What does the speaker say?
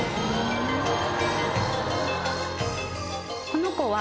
この子は。